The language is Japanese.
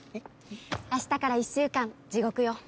明日から１週間地獄よ。